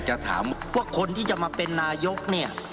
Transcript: จะถามว่าคนที่จะมาเป็นนายกเนี่ย